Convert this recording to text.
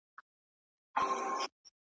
بیا به اورېږي پر غزلونو `